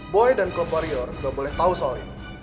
boy dan club warrior gak boleh tau soal ini